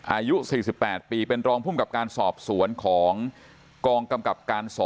อายุ๔๘ปีเป็นรองภูมิกับการสอบสวนของกองกำกับการ๒